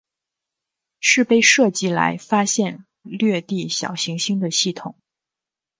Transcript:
是被设计来发现掠地小行星的系统。